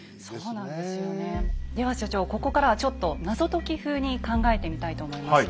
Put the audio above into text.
では所長ここからはちょっと謎解き風に考えてみたいと思います。